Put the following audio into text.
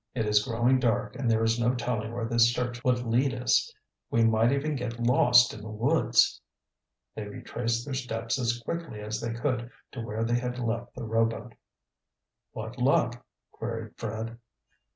It is growing dark and there is no telling where this search would lead us. We might even get lost in the woods." They retraced their steps as quickly as they could to where they had left the rowboat. "What luck?" queried Fred.